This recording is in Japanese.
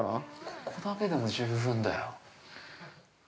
◆ここだけでも十分だよ。